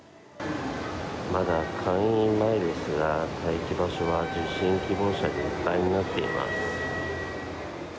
まだ開院前ですが待機場所は受診希望者でいっぱいになっています。